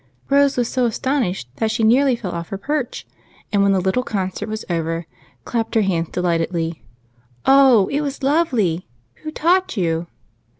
Rose was eo astonished that she nearly fell off her perch, and when the little concert was over clapped her hands delightedly. " Oh, it was lovely ! Who taught you